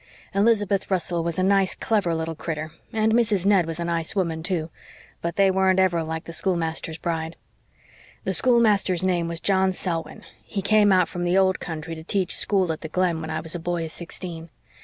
Elizabeth Russell was a nice, clever little critter, and Mrs. Ned was a nice woman, too. But they weren't ever like the schoolmaster's bride. "The schoolmaster's name was John Selwyn. He came out from the Old Country to teach school at the Glen when I was a boy of sixteen.